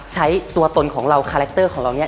ใช้ตัวตนของเราคาแรคเตอร์ของเราเนี่ย